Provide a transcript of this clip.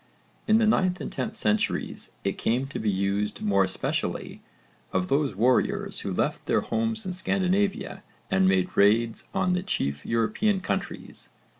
In the 9th and 10th centuries it came to be used more especially of those warriors who left their homes in Scandinavia and made raids on the chief European countries.